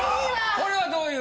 これはどういう？